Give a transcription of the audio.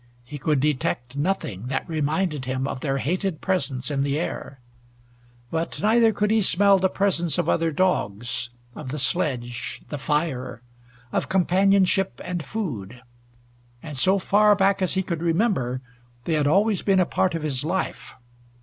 He could detect nothing that reminded him of their hated presence in the air. But neither could he smell the presence of other dogs, of the sledge, the fire, of companionship and food, and so far back as he could remember they had always been a part of his life.